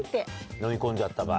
のみ込んじゃった場合。